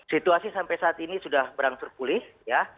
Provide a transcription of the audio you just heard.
situasi sampai saat ini sudah berangsur pulih ya